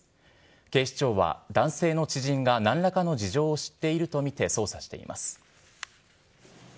警視庁は、男性の知人がなんらかの事情を知っていると見て捜査しています。